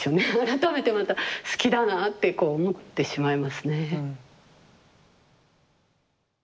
改めてまた好きだなあってこう思ってしまいますね。